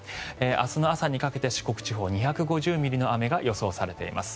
明日の朝にかけて四国地方２５０ミリの雨が予想されています。